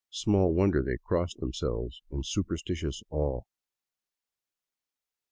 Small wonder they crossed themselves in superstitious awe.